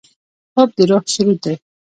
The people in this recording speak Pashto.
خوب د روح سرود دی